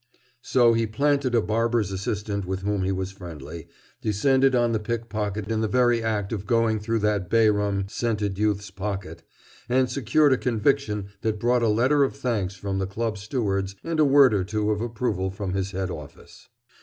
So he planted a barber's assistant with whom he was friendly, descended on the pickpocket in the very act of going through that bay rum scented youth's pocket, and secured a conviction that brought a letter of thanks from the club stewards and a word or two of approval from his head office.